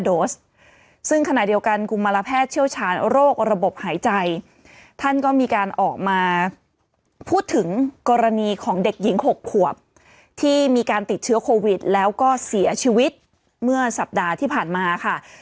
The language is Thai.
โดสซึ่งขณะเดียวกันกุมารแพทย์เชี่ยวชาญโรคระบบหายใจท่านก็มีการออกมาพูดถึงกรณีของเด็กหญิง๖ขวบที่มีการติดเชื้อโควิดแล้วก็เสียชีวิตเมื่อสัปดาห์ที่ผ่านมาค่ะ